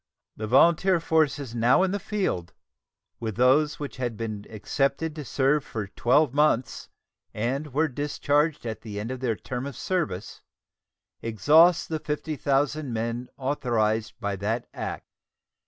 The volunteer forces now in the field, with those which had been "accepted" to "serve for twelve months" and were discharged at the end of their term of service, exhaust the 50,000 men authorized by that act.